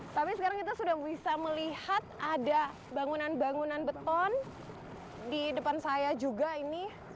tapi sekarang kita sudah bisa melihat ada bangunan bangunan beton di depan saya juga ini